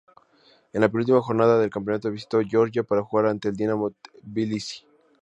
En la penúltima jornada del campeonato visitó Georgia para jugar ante el Dinamo Tbilisi.